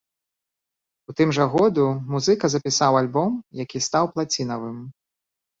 У тым жа году музыка запісаў альбом, які стаў плацінавым.